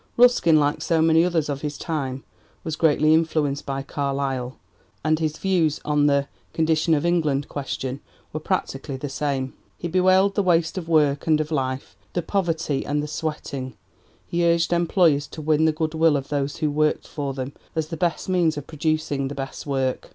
Ruskin, like so many others of his time, was greatly influenced by Carlyle, and his views on the 'condition of England' question were practically the same. He bewailed the waste of work and of life, the poverty and the 'sweating.' He urged employers to win the goodwill of those who worked for them as the best means of producing the best work.